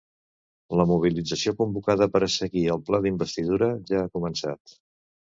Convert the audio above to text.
La mobilització convocada per a seguir el ple d’investidura ja ha començat.